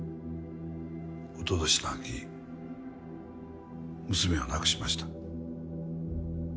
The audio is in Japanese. おととしの秋娘を亡くしました。